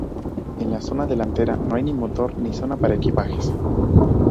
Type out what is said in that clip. En la zona delantera, no hay ni motor ni zona para equipajes.